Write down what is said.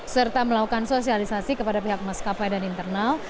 serta melakukan sosialisasi kepada pihak maskapai dan internal